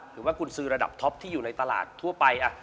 หรือว่ากุญซื้อระดับท็อปที่อยู่ในตลาดทั่วไป